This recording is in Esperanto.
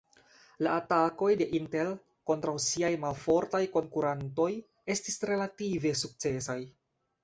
La atakoj de Intel kontraŭ siaj malfortaj konkurantoj estis relative sukcesaj.